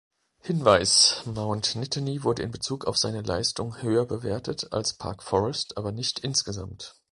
Hinweis: Mount Nittany wurde in Bezug auf seine Leistung höher bewertet als Park Forest, aber nicht insgesamt.